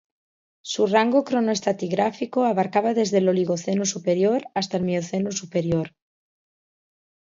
Su rango cronoestratigráfico abarcaba desde el Oligoceno superior hasta el Mioceno superior.